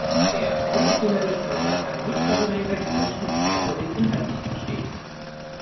Der professionelle Sprecher kann nicht darüber hinwegtäuschen, dass er den Inhalt nicht versteht.